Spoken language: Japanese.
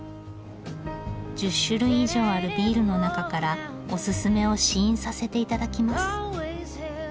１０種類以上あるビールの中からオススメを試飲させて頂きます。